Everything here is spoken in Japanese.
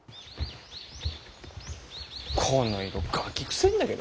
この色ガキくせえんだけど。